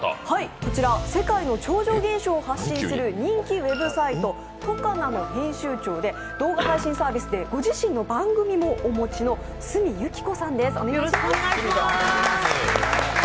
世界の超常現象を発信する人気ウェブサイト「ＴＯＣＡＮＡ」の編集長で、動画配信サービスでご自身のチャンネルもお持ちの角由紀子さんです。